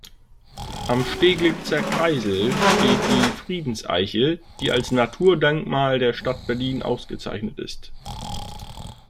Am Steglitzer Kreisel steht die "Friedenseiche", die als Naturdenkmal der Stadt Berlin ausgezeichnet ist.